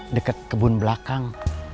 deket kebun belakang